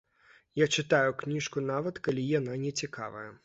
Я чытаю кніжку нават калі яна нецікавая.